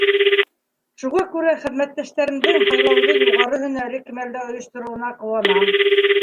Шуға күрә хеҙмәттәштәремдең һайлауҙы юғары һөнәри кимәлдә ойоштороуына ҡыуанам.